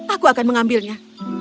aku akan mengambilnya